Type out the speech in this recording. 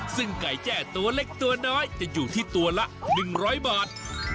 ซึ่งไก่แจ้ตัวเล็กตัวน้อยจะอยู่ที่ตัวละ๑๐๐บาท